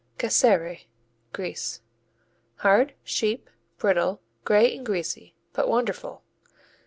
Casere Greece Hard; sheep; brittle; gray and greasy. But wonderful!